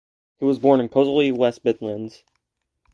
He was born in Coseley, West Midlands.